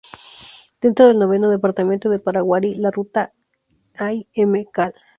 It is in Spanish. Dentro del noveno Departamento de Paraguarí, la ruta I Mcal.